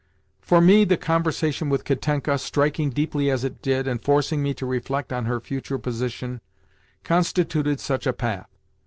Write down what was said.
For me the conversation with Katenka—striking deeply as it did, and forcing me to reflect on her future position—constituted such a path.